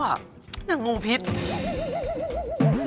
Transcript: เหมือนงูพิษ